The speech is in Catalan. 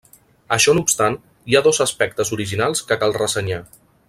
Això no obstant, hi ha dos aspectes originals que cal ressenyar.